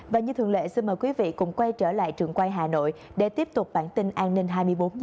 và như thường lệ xin mời quý vị cùng quay trở lại trường quay hà nội để tiếp tục bản tin an ninh hai mươi bốn h